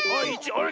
あれ？